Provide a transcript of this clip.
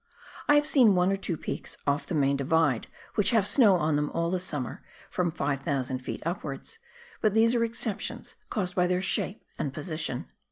I have seen one or two peaks off the main Divide which have snow on them all the summer from 5,000 ft. up wards, but these are exceptions caused by their shape and position.